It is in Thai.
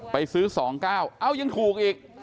ไปซื้อ๒๙เอ้ายังถูกอีก